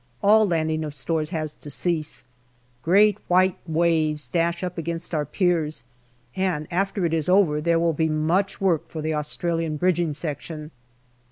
All landing of stores has to cease. Great white waves dash up against our piers, and after it is over there will be much work for the Australian Bridging Section.